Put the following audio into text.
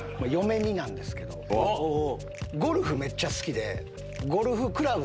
ゴルフめっちゃ好きで。